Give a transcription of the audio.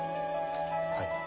はい。